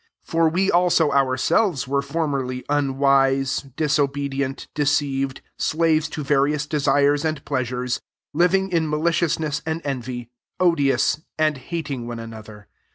3 For we also ourselves were formerly tinwise, disobedient, deceived, slaves to various desires and pleasures, living in malicious ness and envy, odious, and hat ing one another.